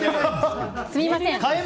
すみません。